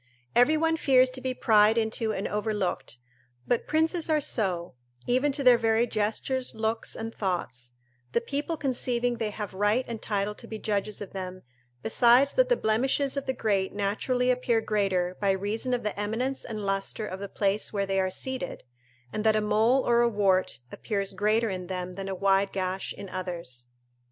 Every one fears to be pried into and overlooked; but princes are so, even to their very gestures, looks and thoughts, the people conceiving they have right and title to be judges of them besides that the blemishes of the great naturally appear greater by reason of the eminence and lustre of the place where they are seated, and that a mole or a wart appears greater in them than a wide gash in others.